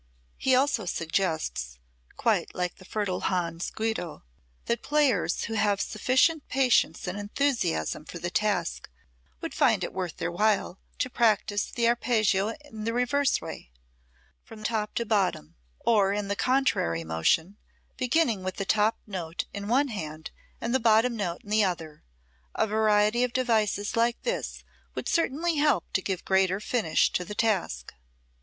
He also suggests quite like the fertile Hans Guido that "players who have sufficient patience and enthusiasm for the task would find it worth their while to practise the arpeggi the reverse way, from top to bottom; or in contrary motion, beginning with the top note in one hand and the bottom note in the other. A variety of devices like this would certainly help to give greater finish to the task."